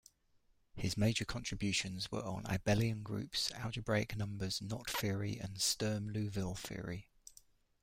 His major contributions were on abelian groups, algebraic numbers, knot theory and Sturm-Liouville theory.